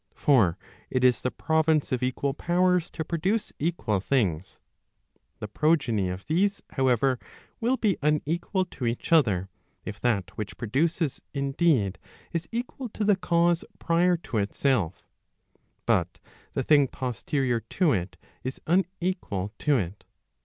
For it is the province of equal powers to produce equal things. The progeny of these, however, will be unequal to each other, if that which produces indeed, is equal to the cause prior to itself, but the thing posterior to it is unequal to it.